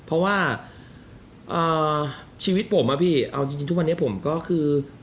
เพราะว่าชีวิตผมอะพี่เอาจริงทุกวันนี้ผมก็คือ